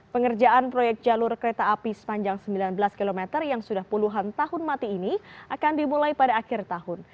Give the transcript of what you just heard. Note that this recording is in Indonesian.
pengerjaan proyek jalur kereta api sepanjang sembilan belas km yang sudah puluhan tahun mati ini akan dimulai pada akhir tahun